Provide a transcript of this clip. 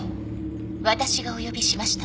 私がお呼びしました。